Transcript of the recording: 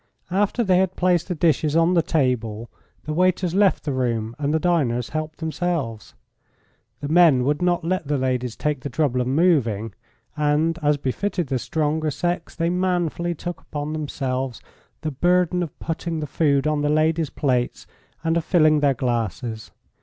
After they had placed the dishes on the table the waiters left the room and the diners helped themselves. The men would not let the ladies take the trouble of moving, and, as befitted the stronger sex, they manfully took on themselves the burden of putting the food on the ladies' plates and of filling their glasses.